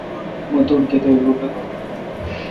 مہ تو ٹھ کتیک روپےدھُوم۔